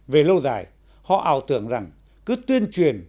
về lâu dài họ ảo tưởng rằng cứ tuyên truyền